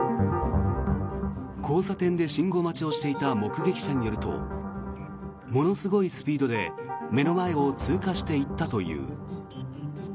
交差点で信号待ちをしていた目撃者によるとものすごいスピードで目の前を通過していったという。